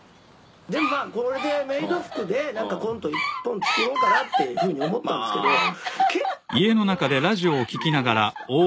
「でもまあこれでメイド服でなんかコント１本作ろうかなっていうふうに思ったんですけど結構似合うんですよ」